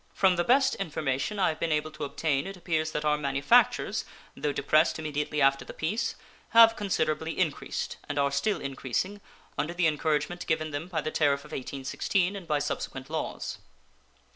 From the best information I have been able to obtain it appears that our manufactures, though depressed immediately after the peace, have considerably increased, and are still increasing, under the encouragement given them by the tariff of 1816 and by subsequent laws.